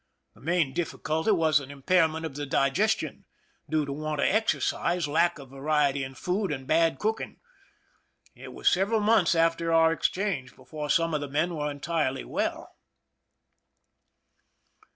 The main diflficulty was an impairment of the digestion, due to want of exercise, lack of variety in food, and bad cooking. It was several months after our ex change before some of the men were entirely well.